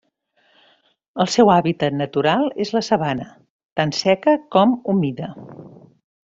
El seu hàbitat natural és la sabana, tant seca com humida.